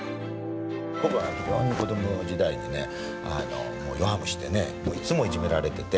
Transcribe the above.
僕は非常に子ども時代にねもう弱虫でねいつもいじめられてて。